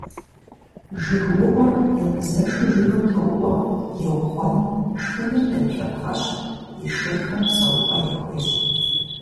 ЖыгыуIур емызэшу жыгым тоуIуэ, еугъуэн, шхыныр къеулъэпхъэщ, и шырхэм псэупIэ яхуещI.